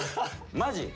マジ？